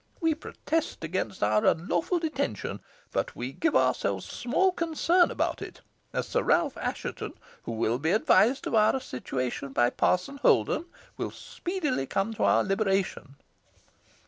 We protest against our unlawful detention; but we give ourselves small concern about it, as Sir Ralph Assheton, who will be advised of our situation by Parson Holden, will speedily come to our liberation."